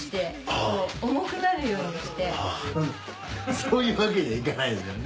そういうわけにはいかないですよね。